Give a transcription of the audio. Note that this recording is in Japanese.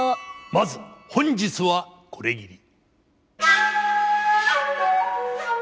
まず本日はこれぎり。